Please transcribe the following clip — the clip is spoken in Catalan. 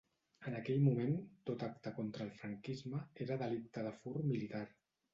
En aquell moment, tot acte contra el franquisme era delicte de fur militar.